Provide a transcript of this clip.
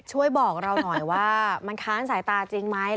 บอกเราหน่อยว่ามันค้านสายตาจริงไหม